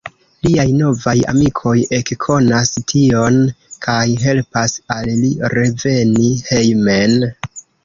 Liaj novaj amikoj ekkonas tion kaj helpas al li reveni hejmen.